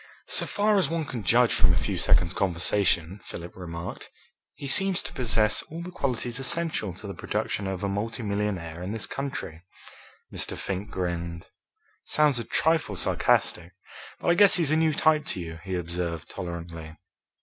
"So far as one can judge from a few seconds' conversation," Philip remarked, "he seems to possess all the qualities essential to the production of a multimillionaire in this country." Mr. Fink grinned. "Sounds a trifle sarcastic, but I guess he's a new type to you," he observed tolerantly.